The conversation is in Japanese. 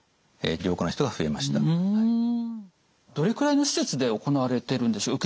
どれくらいの施設で行われているんでしょう？